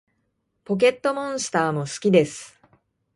ポケットモンスターも好きです